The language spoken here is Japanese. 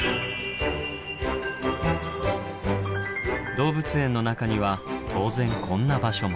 動物園の中には当然こんな場所も。